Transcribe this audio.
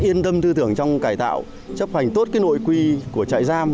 họ yên tâm tư tưởng trong cải tạo chấp hành tốt nội quy của trại giam